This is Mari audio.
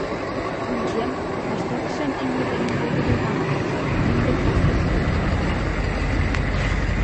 Ончем: ваштарешем имне дене Вӧдыр Йыван толеш, мӱндыр пасуш вӱдым наҥгая.